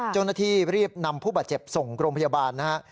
เจ้าหน้าที่รีบนำผู้บาดเจ็บส่งโรงพยาบาลนะฮะ